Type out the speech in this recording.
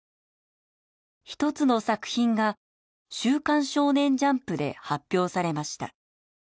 一つの作品が『週刊少年ジャンプ』で発表されました。